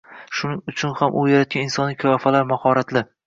Shuning uchun ham u yaratgan insoniy qiyofalar mahoratli.